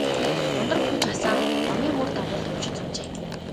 Ундрах хүж асаан, номын мөр дагуулан уншиж суужээ.